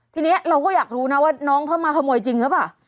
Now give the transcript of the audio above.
ทีนี้เราก็อยากรู้นะว่าน้องเข้ามาขโมยจริงหรือเปล่า